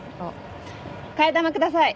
替え玉ください。